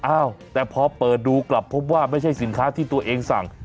อ้าวแต่พอเปิดดูกลับพบว่าไม่ใช่สินค้าที่ตัวเองสั่ง